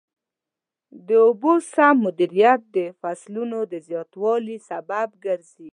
د اوبو سم مدیریت د فصلونو د زیاتوالي سبب ګرځي.